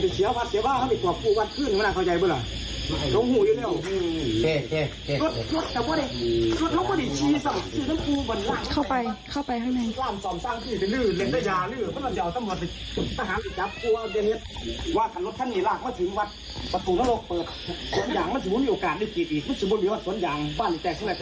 ส่วนอย่างบ้านแจ้งแรกกว่ามันก็๓๐หมื่น